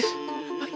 はい。